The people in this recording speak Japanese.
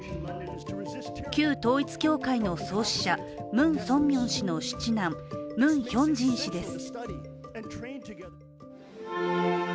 旧統一教会の創始者、ムン・ソンミョン氏の七男、ムン・ヒョンジン氏です。